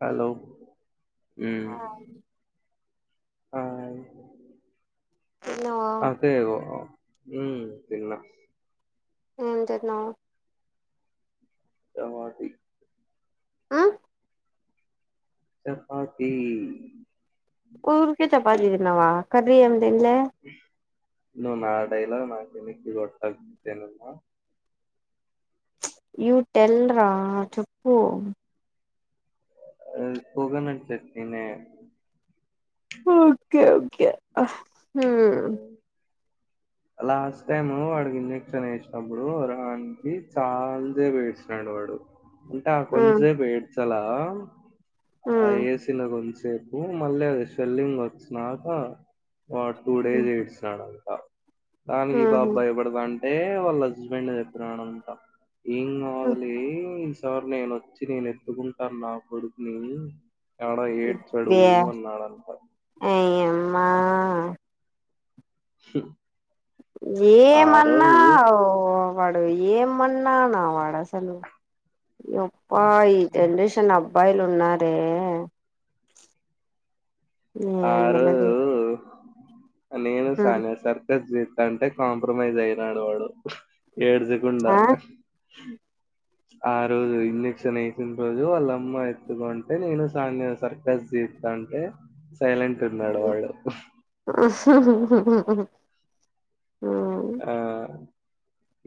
Hello ఉమ్మ్ hi తిన్నావా ఆకే ఓ ఉమ్మ్ తిన్న ఏం తిన్నావు చపాతి ఉమ్మ్ చపాతి ఊరికే చపాతీ తిన్నావా కర్రీ ఏం తిన్లే నువ్వు నా డైలాగ్ నాకే ఎనక్కి కొట్టొద్దు యువ్ టెల్ రా చెప్పు ఉమ్మ్ ఉకేనన్న చెప్తినే ఓకే ఓకే ఉమ్మ్ లాస్ట్ టైము వాడికి ఇంజక్షన్ ఎసినప్పుడు రానికి చాలసేపు ఏడిసినాడు వా డు అంటే ఆ హ్మ్ కొంచసేపు ఎడ్చాల ఆ హ్మ్ ఎసిన కొం సేపు మళ్ళీ అది స్వెల్లింగ్ వచ్చినాక వాడు టూ డేస్ ఏడ్చినాడు అది దానికి ఈ పాప హ్మ్ భయపడతాంటే వాళ్ళ హస్బెండ్ చెప్పినడంట ఏం కాదులే ఈసారి నేనొచ్చి నేను ఎత్తుకుంటాను నా కొడుకుని ఎవడో ఏడ్చాడు అన్నాడంట అ యమ్మ స ఏమన్నా ఓ వా డు ఏమ్మన్ననా వాడసలు యప్ప ఈ జనరేషన్ అ బ్బాయిలు ఉన్నారే ఆ ఏంది లేదులే రోజు నేను సాన్య సర్కస్ చేస్తాంటే కాంప్రమైజ్ అయినాడు వాడు ఏడ్చకుండా ఆ ఆరోజు ఇంజెక్షన్ ఏసిన రోజు వాళ్ళమ్మ ఎత్తుకుంటే నేను సాన్య సర్కస్ చే స్తాంటే సైలెంట్ ఉన్నాడు వాడు ఆ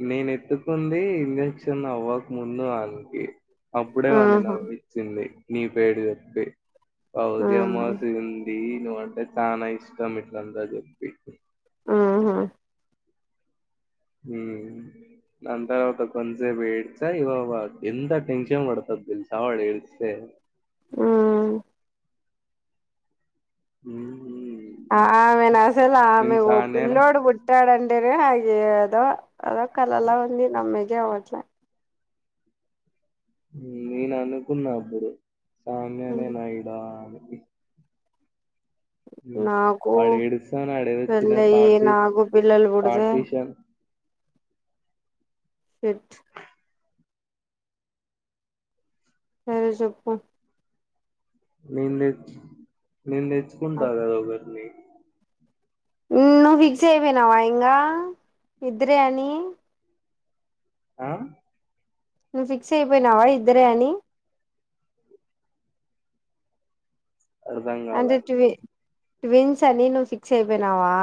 నేనెత్తుకుంది ఇంజక్షన్ అవ్వక ముందు వాల్కి అప్పుడే వాన్ని ఆహా నవ్విచ్చింది నీ పేరు చెప్పి ఆ పౌద్యం వసింది నువ్వ అంటే చాన ఇష్టం ఇట్లంతా చెప్పి ఆహా ఉ దంతర్వాత కొంచేపు ఏడ్చ ఇ వ వ ఎంత టెన్షన్ బడతది డెల్సా వాడు ఏడుస్తే ఆ హ ఆ ఆమె న అసలు ఆమె నేను ఓ సాన్యనా పిల్ల్లోడు బుట్టాడంటెనో ఓ ఏదో అద కలలా ఉంది నమ్మెగే అవ్వట్లే నేను అనుకున్నా అప్పుడు సామ్యానే ఉమ్. నాయుడాని నాకు ఆడేడుస్తున్నాడు అడ వచ్చిన పెళ్ళయ్యి పాటి నాకు పిల్లలు పుడితే పాటిషన్ షెట్ సరే చెప్పు నేను తెచ్ నేను తెచ్చుకుంటా కదా ఒకరిని నువ్వు ఫిక్స్ అయిపోయినావా ఇంగా ఇద్ద్రే అని ఆ నువ్వు ఫిక్స్ అయిపోయినావా ఇద్దరే అని అర్ధం అంటే కాలే ట్వి ట్విన్స్ అని నువ్వు ఫిక్స్ అయిపోయినావా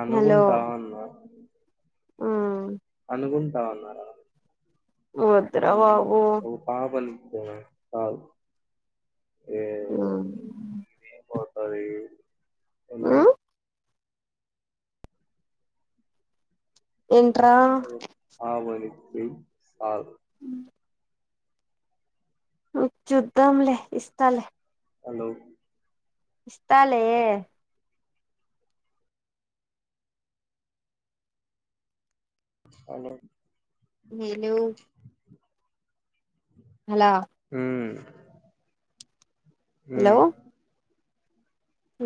అనుకుంటాఉన్న ఆ అనుకుంటా ఉన్నరా వద్దురా బాబు కాదు ఆ అరి ఎమయి ఎంట్రా సాల్ ఉ చెప్తాం లే ఇస్తాన్ లే హలో ఇస్తాలే హలో నేను హలో ఉ ఉ హలో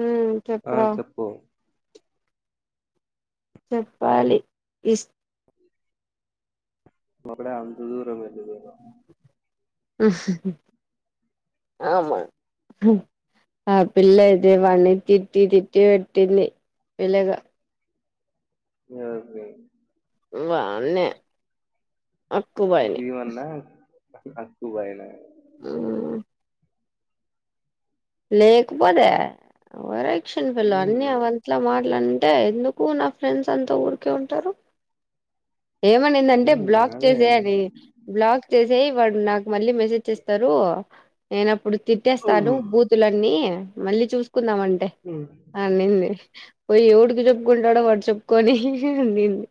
ఉమ్ ఆ చెప్పురా చెప్పు చెప్పాలి ఇస్ ఒకడా అంత దూరం ఎందుకు వెళ్ళ అ హ్ ఆమ ఆ పిల్ల ఇదే వాన్ని తిట్టి తిట్టి వెట్టింది విలగా ఎవర్ని వాన్నే అక్కుబని ఆక్కు బయనా ఆ లేకపోతే వరాక్షన్ పిల్ల మ్మ్ అన్నీ అవట్ల మాట్లా అంటే ఎందుకు నా ఫ్రెండ్స్ అంతా ఊరికే ఉంటారు ఏమనిందంటే మ్మ్ బ్లాక్ అదే చేసేయని బ్లాక్ చేసేయి వాడు నాకు మళ్ళీ మెసేజ్ చేస్తారు నేనప్పుడు తిట్టేస్తాను మ్మ్ బూతులన్నీ మళ్ళీ చూ కుందామంటే అనింది పోయి ఎవుడికి చెప్పుకుంటాడో వాడు చెప్పుకొని ఉండింది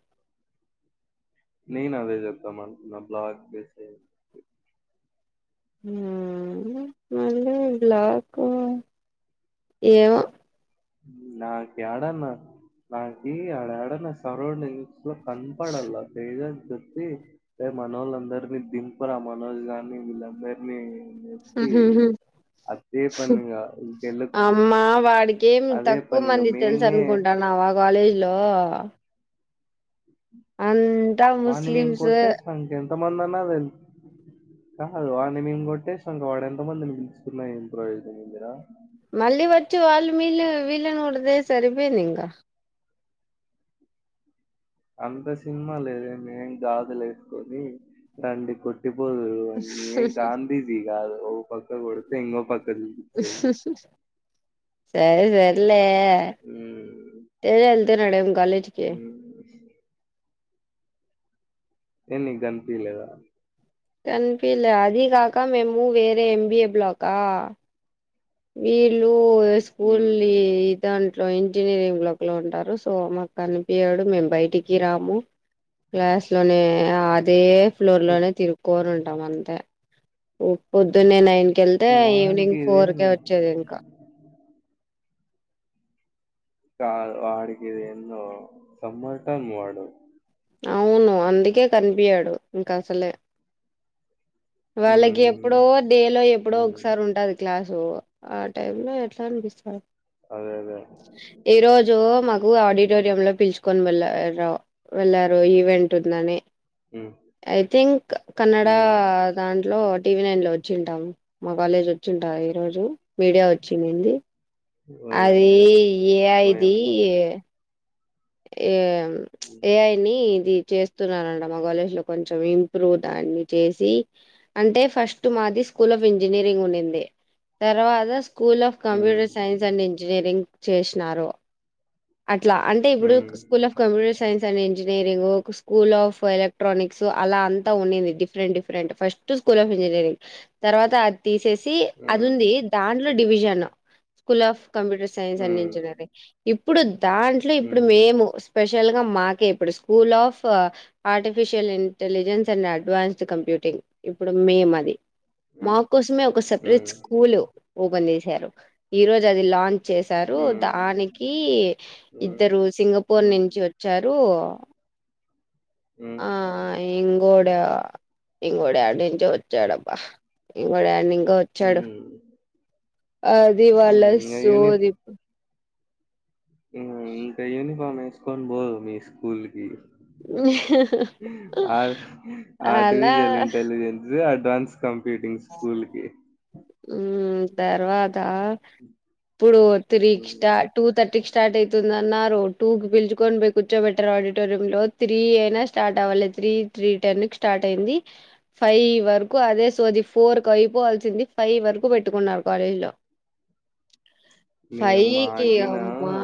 నేనదే జెత్త మరి బ్లాక్ చెస్ మ్ మళ్ళీ బ్లాక్ ఏమో నాక్ యాడన్న నాకి యాడాడన్న సరౌడింగ్ స్ లో కనపడలా తెజ చెప్పి రే మనోళ్లందరినీ దింపురా మనోజ్ గాని వీళ్ళందరినీ ఈ ఉహుహు అదే పన్నంగా ఇటు ఎల్ల కేమి తక్కువ మంది తెలుసు అనుకుంటాన్నావా కాలేజ్ లో అంతా ముస్లింస్ సంబంధ నా వేల్ కాదు ఆని మేము కొట్టేసాంక వాడు ఎంత మందిని పిలుచుకున్నా ఎమ్ ప్రయోజనం ఉందిరా మళ్ళీ వచ్చు వాళ్ళు మీళ్ళ వీళ్ళకొడతే సరిపోయింది ఇంకా అంత సినిమా లేదు మేమేం గాజులేసుకుని రండి కొట్ ట్టిపోదురూ అని ఏం గాంధీజీ కాదు ఓ పక్క కొడుతే ఇంగో పక్కచూపించనికి సర సర్లే తెలి వెళ్తున్నడు ఉ ఏం నీక్గనిపియ్యలేదా కన్పియలే అది కాక మేము వేరే ఎంబిఏ బ్లాకా వీళ్ళు స్కూల్ హ్మ్ ఇదంటే ఇట్లో ఇంజనీరింగ్ లో లో ఉంటారు సో మాకు కనిపియాడు మేము బయటికి రాము క్లాస్ లోనే అదే ఫ్లోర్ లోనే తీర్కొనుంటాం అంతే పొద్దున్న నైన్ కెళ్తే వానికి ఈవినింగ్ ఫోర్కే ఇదేంది వచ్చేది ఇంకా కాదు వాడికిందేందో సమ్మర్టన్ వాడు అవును అందుకే కనిపయడు ఇంక అసలే వాళ్ళకి ఎప్పుడో హ్మ్ డే లో ఎప్పుడో హ్మ్ ఒకసారి ఉంటది క్లాస్ సో ఆ టైమ్ లో ఎట్లా అనిపిస్తారు అదే అదే ఈ రోజు మాకు ఆడిటోరియంలో పిలుచుకు కొని వెళ్ళార వెళ్ళారు ఈవెంట్ ఉందని హ్మ్ ఐ థింక్ కన్నడ హ్మ్ దంట్లో టీవీ నైన్ లో వచ్చింటాం మా కాలేజ్ వచ్చింటా ఈ రోజు మీడియా వచ్చిందడి ఓయమ్ అది ఎఐ ది ఓయమ్మ ఏ హ్మ్ ఏఐ నీ చేస్తున్నారంట మా కాలజ్ లో కొంచ ఇంప్రూవ్ దాన్ని చేసి అంటే ఫస్ట్ మాది స్కూల్ ఆఫ్ ఇంజనీరింగ్ ఉండింది తర్వాత school of computer science and engineering చేసినారు అట్లా అంటే ఇపు డు హ్మ్ school of computer science and engineering ఒక స్కూల్లో ఆఫ్ ఎలక్ట్రానిక్స్ అలా అంతా ఉన్నింది డిఫరెంట్ డిఫరెంట్ ఫస్ట్ స్కూల్లో ఇంజనీరింగ్ తర్వాత అది తీసేసి అది ఉంది హ్మ్ దాంట్లో division school of computer science and hmm engineering ఇప్పుడు దాని ఇప్పుడు హ్మ్ మేము స్పెషల్ గా మాకే ఇప్పుడు school of artificial intelligence and advanced కంప్యూ పిటింగ్ ఇప్పుడు మేము అది హ్మ్ మా కోసమే ఒక సపరేట్ హ్మ్. స్కూల్ ఓపెన్ చేసారు ఈ రోజు అది లాంచ్ చేశారు హ్మ్. దానికి హ్మ్. ఇద్దరు సింగపూర్ హ్మ్. నుంచి వచ్చారు హ్మ్. ఆ ఇంగోటి ఇంకోడు యాడ నించో వచ్చాడబ్బా ఇంకోడు యాడ నిం గా వచ్చాడు హ్మ్. అది వాళ్ళ హ్మ్. ఇంగ సోది పు ఇం ఇంక యూనిఫాం ఎసుకోని బో మీ స్కూల్కి ఆర్ట్ అలా ఆర్టిఫిషియల్ ఇంటెలిజెన్స్ రన్స్ కంప్యూటింగ్ స్కూల్కి ఉ తర్వాత ఇప్పుడు త్రీ కి హ్మ్. స్టాట్ టూ థర్టీ స్టార్ట్ అయాతుంది అన్నారు టూ కి పిలుచుకొని పోయి కూర్చో బెట్టారు ఆడిటోరియం లో త్రీ అయినా స్టార్ట్ అవ్వలేదు త్రీ త్రీ టెన్ కి స్టార్ట్ అయింది ఫైవ్ వరకు అదే సోది ఫోర్ కి అయిపోవల్సింది ఫైవ్ వరకు పెట్టుకున్నారు కాలేజీ లో ఫై మేము కి మాకిన అమ్మా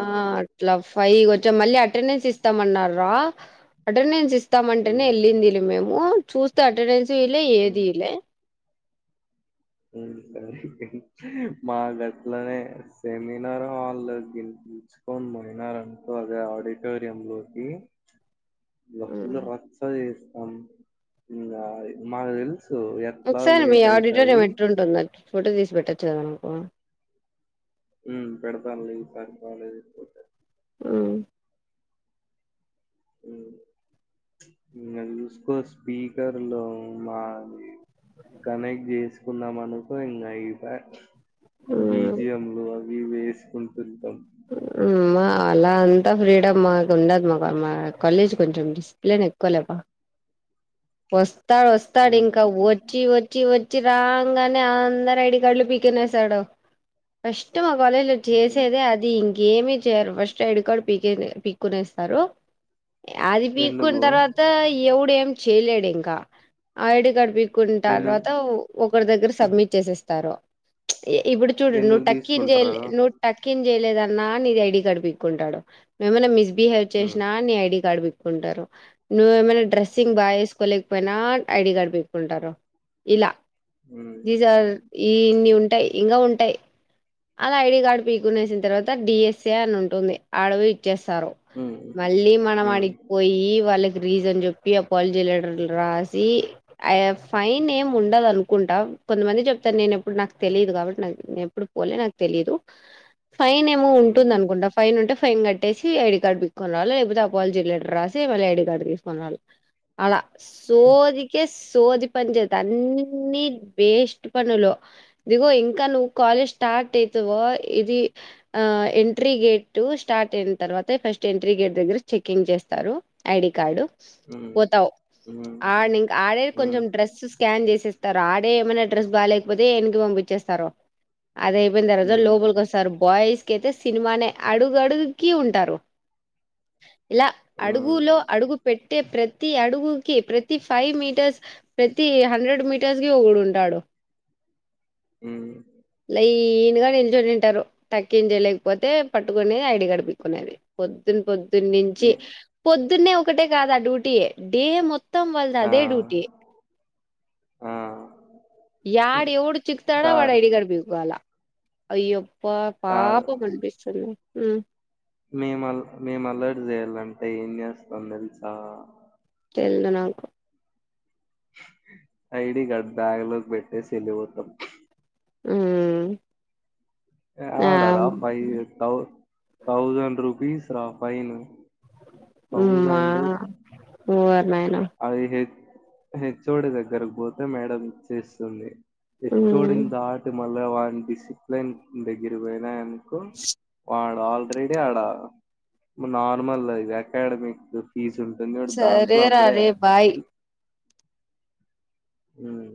అట్లా ఫైవ్ కి వచ్చాం మళ్ళీ అటెండెన్స్ ఇస్తామన్నారు రా అటెండెన్స్ హ్మ్. ఇస్తామంటేనే వెళ్లిందిలే మేము ఉన్ చూస్తే అటెండెన్స్ ఈలే ఏది ఇలే ఉ సరే మాది అట్లానే సెమినార్ హాల్ లో కెల్ పిలుచుకొని పోయినారు అనుకో అదే ఆడిటోరియమ్ లోకి [inaudible] బా ఫుల్ రచ్చ చేస్తాం ఇంగ అది మాకు తెలుసు సో ఎట్లా లేట్ అయతది దానికి పోటో తీసి పెట్టచ్చు కదా నాకు ఉ పెడతాను లే ఈసారి కాలేజ్ కీ పోతే ఉమ్. ఉమ్ [inaudible] ఇంగ చూసుకో స్పీకర్ లో మాది కనెక్ట్ చేసుకున్నాం అనుకో ఇంగా అయిపాయ్ ఉమ్. బిజియం లు అవి ఇవి వేసుకుంటుంటాం మా అలా అంతా ఫ్రీడమ్ మాకు ఉండదు మాకు మా కాలేజ్ కొంచెం డిసిప్లిన్ ఎక్కువ లెప్ప వస్తాడు వస్తాడు ఉమ్ ఇంకా వచ్చి వచ్చి వచ్చి వచ్చిరాంగనే అందరీ ఐడి కార్డులు పిక్కొని వస్తాడు మా కాలేజ్ లో ఉమ్ చేసేదే ఆది ఇంకేమి చేయరు ఫస్ట్ ఐడి కార్డ్ పీకేనే పీకునేస్తారు అది పీక్కున్న ఎందుకు తర్వాత ఎవడు ఏమి చేయలేడు ఇంకా ఆ ఐడి కార్డ్ పీకు కుంట ఎందు తర్వాత ఒకరి దగ్గర సబ్మిట్ చేసేస్తారు ఇప్పుడు చూడు నూవ్ ఎందుకు టాకిన్ తీసుకుంటారు నువ్వు టకిన్ చేయలేదన్నా నీది ఐడి కార్డు పికుంటాడు నువ్వు ఏమైన్నా మిస్బిహేవ్ ఉమ్ చేసినా నీ ఐడి కార్డ్ పి టారు నువ్ ఏమైనా డ్రస్సింగ్ బాగా వేసుకోలేకపోయినా ఐడి కార్డ్ పీక్కుంటారు ఇలా ఉమ్ నిజాలు ఇన్ని ఉంటాయి ఇంగ ఉంటాయి అలా ఐడి కార్డు పీకునే వసిన తర్వాత డిఎస్ఏ అని ఉంటుంది ఆడ బోయ్ చేస్తారో ఉమ్ మళ్ళీ మనం ఉమ్ అడి పోయి వాళ్ళ రీజన్ చెప్పి అపాలిజీ లెటర్లు రాసి ఆ ఫైన్ ఏం ఉండదు అనుకుంటా కొంతమంది చెప్తారు నేను ఎప్పుడు నాకు తెలిదు కాబట్టి నే ఎప్పుడు పోలే నాకు తెలీదు ఫైన్ ఏమో ఉంటుంది ఉమ్ అనుకుంటా ఫైన్ ఉంటే ఫైన్ కట్ ట్టేసి ఐడి కార్డు పిక్కుని రావాలి లేపోతే అపాలజీ లెటర్ రాసి మళ్ళీ ఐడి కార్డ్ తీసుకుని రావాలి అలా సోదికేస్ సోది పని జేత అన్ని వేస్ట్ పనులు దిగో ఇంకా నువ్వు కాలేజ్ స్టార్ట్ అవుతవో ఇది ఎంట్రీ గేటు స్టార్ట్ అయిన తర్వాతే ఫస్ట్ ఎంట్రీ గేట్ దగ్గర చెకింగ్ చేస్తారు ఐడి కార్డు ఉమ్ పోతావ్ ఉమ్ ఆడ్న ఇంక ఆడే కొంచెం ఉమ్ డ్రెస్ స్కాన్ చేసే తారు ఆడే ఏమైనా డ్రెస్ బాలేకపోతే ఎనక్కి పంపిచేస్తారు అదే అయిపోయిన తర్వాత ఉమ్ లోపలి వస్తారు బాయ్స్ కైతే సినిమానే అడుగడుక్కి ఉంటారు ఇలా ఉమ్ అడుగులో అడుగు పెట్టే ప్ర తి అడుగుకి ప్రతి ఫైవ్ మీటర్స్ ప్రతి హండ్రెడ్ మీటర్స్కి ఒకడు ఉంటాడు హ్మ్ లైన్గా నిల్చొని ఉంటారు టకింక్ జేయలేకపోతే పట్టుకునే ఐడి కార్డు పీక్కునేది పొద్దున్న పొద్ ద్దు నించి మీ పొద్ద్ ద్దున్నే ఒకటే కాదా డ్యూటీ డే మొత్తం వాళ్లది ఆ అదే డ్యూటీ ఆ యాడు ఎవడు చిక్తాడో కా వాడి ఐడి కార్డు పిక్కోవాల అయ్యో పా పాపం అనిపిస్తది నాకు మ్ మేమల్ మేము అల్లరి జేయాలంటే ఏం చేస్తాం తెలుసా తెల్దు నాకు ఐడి కార్డ్ బ్యాంగలోకి పెట్టేసి ఎళ్లిపోతాం ఉమ్మ్ ఆడార ఫైవ్ థౌసండ్ రుపీస్ రా ఫైన్ ఉమ్మా థౌజండ్ వా అది హె హెచ్ ఒడి దగ్గరక్ పోతే మేడం చేస్తుంది. హెచ్ ఉమ్ ఒడిని దాటి మళ్ళ వాన్ డిసిప్లెన్ దగ్గర బోయినయను కో వాడు ఆల్రెడీ ఆడా నార్మల్ అకాడమిక్ ఫీజ్ జ్ ఉంటుంది దాంట్లో అప్పుడే సరే బాయ్ హ్మ్